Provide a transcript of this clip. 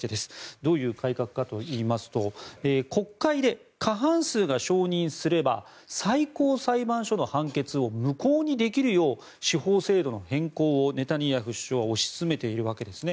どういう改革かといいますと国会で過半数が承認すれば最高裁判所の判決を無効にできるよう司法制度の変更をネタニヤフ首相は推し進めているわけですね。